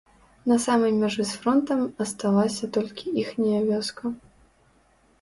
На самай мяжы з фронтам асталася толькі іхняя вёска.